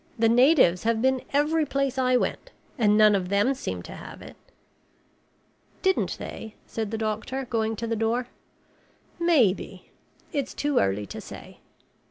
The natives have been every place I went and none of them seemed to have it." "Didn't they?" said the doctor, going to the door. "Maybe. It's too early to say."